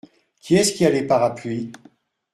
Qui est-ce qui a les parapluies ?…